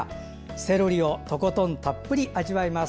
セロリをとことんたっぷり味わいます。